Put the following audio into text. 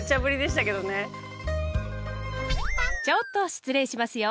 ちょっと失礼しますよ。